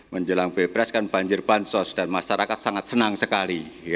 menjelang bebas kan banjir bansos dan masyarakat sangat senang sekali